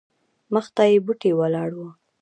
مخته یې بوټې ولاړ وو.